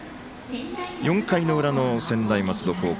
４回の裏の専大松戸高校。